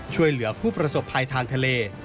ช่วยเหลือผู้ประสบภัยทางทะเล